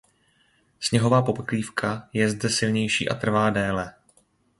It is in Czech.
Sněhová pokrývka je zde silnější a trvá déle.